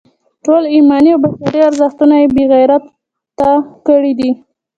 ټول ایماني او بشري ارزښتونه یې بې غیرته کړي دي.